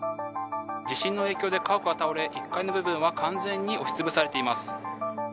地震の影響で家屋が倒れ、１階の部分は完全に押しつぶされています。